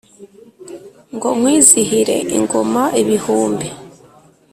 Ngo nkwizihire ingoma ibihumbi